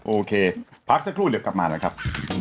โอเคพักสักครู่เดี๋ยวกลับมานะครับ